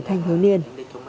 thành hướng niên